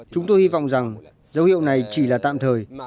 chúng tôi hy vọng rằng dấu hiệu này chỉ là tạm thời